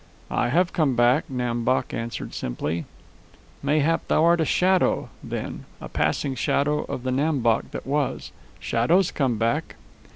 "I have come back," Nam Bok answered simply. "Mayhap thou art a shadow, then, a passing shadow of the Nam Bok that was. Shadows come back."